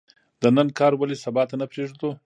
د نن کار ولې سبا ته نه پریږدو؟